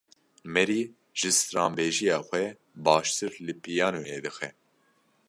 Mary ji stranbêjiya xwe baştir li piyanoyê dixe.